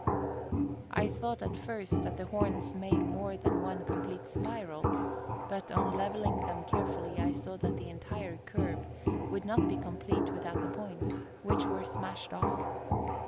I thought at first that the horns made more than one complete spiral, but, on leveling them carefully, I saw that the entire curve would not be complete without the points, which were smashed off.